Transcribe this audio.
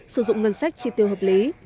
sử dụng ngân sách chi tiêu hợp lý